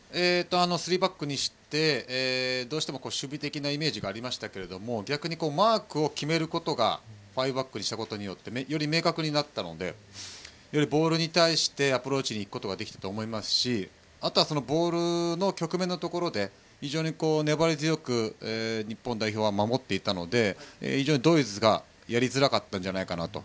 スリーバックにしてどうしても守備的なイメージがありましたが逆にマークを決めることがファイブバックにしたことによりより明確になったのでボールに対してアプローチに行くことができたしボールの局面で非常に粘り強く日本代表が守っていたのでドイツがやりづらかったんじゃないかと。